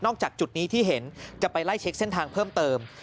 จากจุดนี้ที่เห็นจะไปไล่เช็คเส้นทางเพิ่มเติม